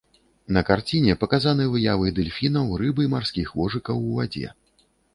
На карціне паказаны выявы дэльфінаў, рыб і марскіх вожыкаў ў вадзе.